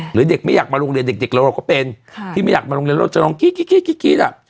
หรือเด็กไม่อยากมาโรงเรียนเด็กเราก็เป็นที่ไม่อยากมาโรงเรียนเราจะร้องกรี๊ด